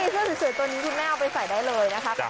เสื้อสวยตัวนี้คุณแม่เอาไปใส่ได้เลยนะคะ